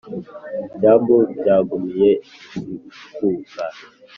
Ibyambu byagumiye izikuka,